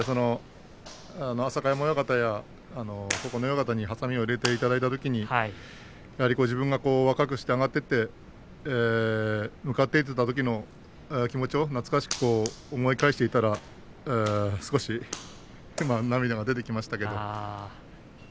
浅香山親方や九重親方にはさみを入れていただいたときに自分が若くして上がっていって向かっていっていたときの気持ちを懐かしく思い返していたら少し涙が出てきましたけど。